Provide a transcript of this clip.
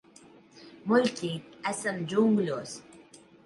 Muļķīt, esam džungļos.